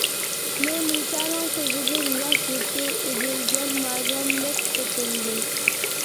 نۇرنىسانىڭ كۆزىدىن ياش يىپى ئۈزۈلگەن مارجاندەك تۆكۈلدى.